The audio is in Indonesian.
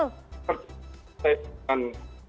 saya akan memperhatikan